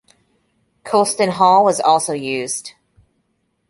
Colston Hall was also used.